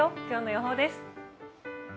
今日の予報です。